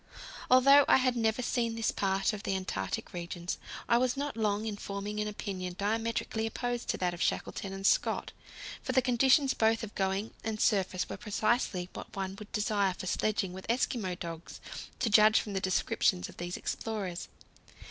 Although I had never seen this part of the Antarctic regions, I was not long in forming an opinion diametrically opposed to that of Shackleton and Scott, for the conditions both of going and surface were precisely what one would desire for sledging with Eskimo dogs, to judge from the descriptions of these explorers.